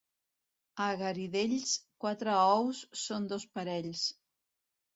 A Garidells, quatre ous són dos parells.